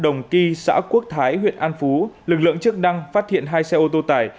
đồng kỳ xã quốc thái huyện an phú lực lượng chức năng phát hiện hai xe ô tô tải